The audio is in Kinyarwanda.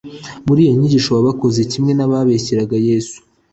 Muri iyo nyigisho baba bakoze kimwe n'ababeshyeraga Yesu.